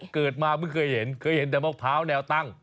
เกิดมาเพิ่งเคยเห็นเคยเห็นแต่มะพร้าวแนวตั้ง